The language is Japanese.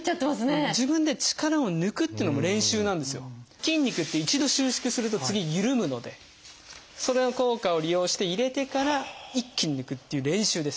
筋肉って一度収縮すると次緩むのでそれの効果を利用して入れてから一気に抜くっていう練習です。